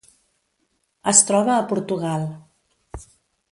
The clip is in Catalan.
Es troba a Portugal.